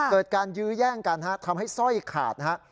เกิดการยื้อแย่งกันฮะทำให้สร้อยขาดนะฮะ